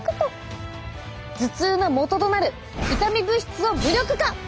頭痛のもととなる痛み物質を無力化！